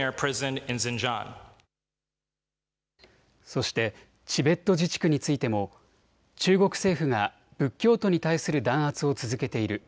そしてチベット自治区についても中国政府が仏教徒に対する弾圧を続けている。